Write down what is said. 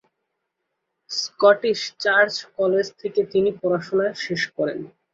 Scottish Church College থেকে তিনি পড়াশোনা শেষ করেন।